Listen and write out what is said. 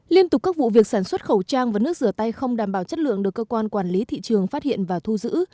liên tục các vụ việc sản xuất khẩu trang và nước rửa tay không đảm bảo chất lượng được cơ quan quản lý thị trường phát hiện và thu giữ